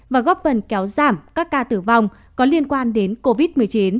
và góp phần kéo giảm các ca tử vong có liên quan đến covid một mươi chín